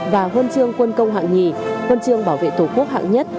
và quân chương quân công hạng nhì quân chương bảo vệ tổ quốc hạng nhất